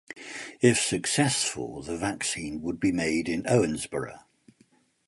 If successful, the vaccine would be made in Owensboro.